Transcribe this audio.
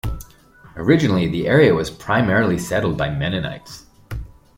Originally, the area was primarily settled by Mennonites.